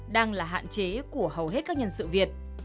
đang là hạn chế của hầu hết các nhân sự việt